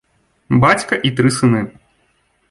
Бацька і тры сыны.